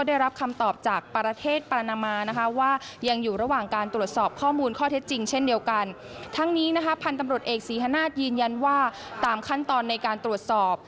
ถ้าพันธุ์ตำรวจเอกสีฮนาศยืนยันว่าตามขั้นตอนในการตรวจสอบ